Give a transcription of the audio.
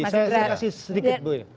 saya kasih sedikit boleh